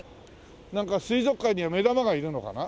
なんか水族館には目玉がいるのかな？